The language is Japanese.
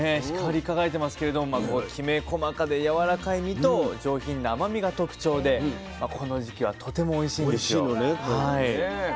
光り輝いてますけれどもきめ細かでやわらかい身と上品な甘みが特徴でこの時期はとてもおいしいんですよ。